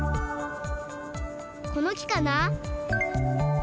この木かな？